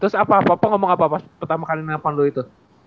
terus apa koko ngomong apa pas pertama kali nelfon lu itu